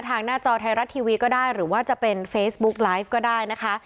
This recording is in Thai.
หน้าจอไทยรัฐทีวีก็ได้หรือว่าจะเป็นเฟซบุ๊กไลฟ์ก็ได้นะคะ